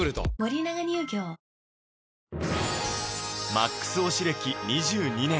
「ＭＡＸ」推し歴２２年